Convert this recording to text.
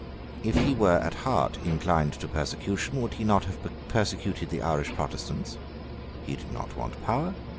If he were at heart inclined to persecution, would he not have persecuted the Irish Protestants? He did not want power.